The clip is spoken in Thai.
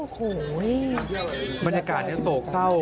โอ้โหบรรยากาศโศกเศร้า